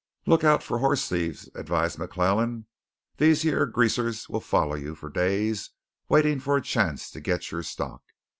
"Look out for hoss thieves," advised McClellan. "These yere Greasers will follow you for days waitin' for a chance to git your stock.